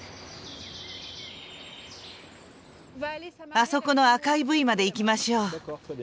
あそこの赤いブイまで行きましょう。